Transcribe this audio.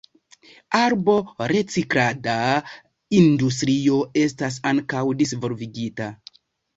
Arbo-reciklada industrio estas ankaŭ disvolvigita.